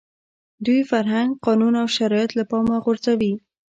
دوی فرهنګ، قانون او شرایط له پامه غورځوي.